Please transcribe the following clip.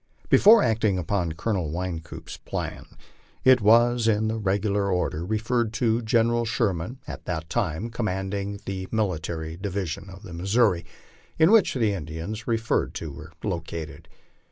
Before acting upon Colonel Wynkoop's plan, it was in the regular order referred to General Sherman, at that time commanding the Military Di vision of the Missouri, in which the Indians referred to were located.